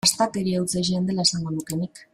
Astakeria hutsa izan dela esango nuke nik.